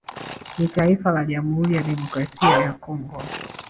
Ni taifa la Jamhuri ya Kidemokrasia ya Congo